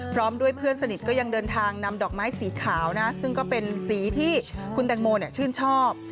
พร้อมด้วยเพื่อนสนิทก็ยังเดินทางนำดอกไม้สีขาวนะซึ่งก็เป็นสีที่คุณแตงโมชื่นชอบ